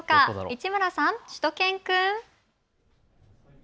市村さん、しゅと犬くん。